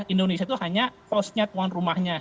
indonesia itu hanya postnya tuan rumahnya